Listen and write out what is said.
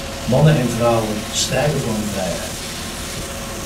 Mannen en vrouwen strijden voor hun vrijheid.